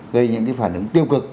gây những cái phản ứng tiêu cực